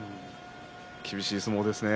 厳しい相撲ですね。